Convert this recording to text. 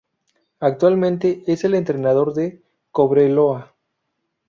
Actualmente es el entrenador de Cobreloa.